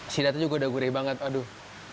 sinatnya juga udah gurih banget aduh